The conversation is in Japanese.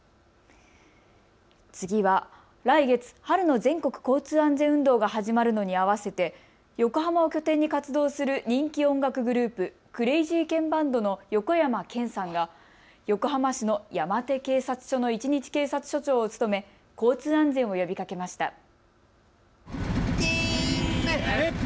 次は来月、春の全国交通安全運動が始まるのに合わせて横浜を拠点に活動する人気音楽グループ、クレイジーケンバンドの横山剣さんが横浜市の山手警察署の１日警察署長を務め交通安全を呼びかけました。